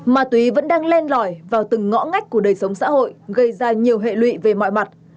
ma túy vẫn đang len lỏi vào từng ngõ ngách của đời sống xã hội gây ra nhiều hệ lụy về mọi mặt